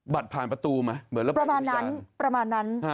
บัตรผ่านประตูไหมเหมือนละประตูอีกจานประมาณนั้น